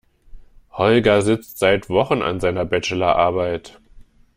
Holger sitzt seit Wochen an seiner Bachelorarbeit.